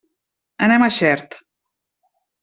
Anem a Xert.